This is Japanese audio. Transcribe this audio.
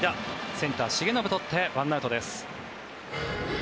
センター、重信とって１アウトです。